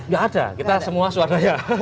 nggak ada kita semua swadaya